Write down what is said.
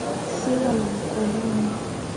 Sina la mikononi,